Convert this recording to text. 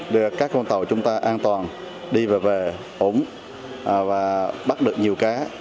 để các con tàu chúng ta an toàn đi và về ổn bắt được nhiều cá